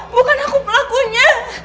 bukan aku pelakunya